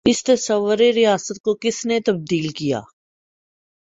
اس تصور ریاست کو کس نے تبدیل کیا؟